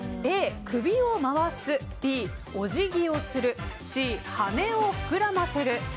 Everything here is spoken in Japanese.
Ａ、首を回すＢ、お辞儀をするＣ、羽を膨らませる。